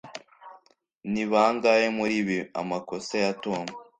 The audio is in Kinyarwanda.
ni bangahe muribi amakosa ya tom?